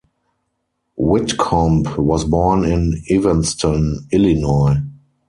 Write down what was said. Whitcomb was born in Evanston, Illinois.